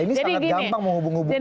ini sangat gampang menghubung hubungkan